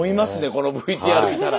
このＶＴＲ見たら。